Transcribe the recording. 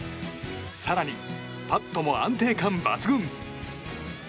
更にパットも安定感抜群。